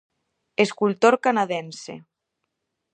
Escultor canadense.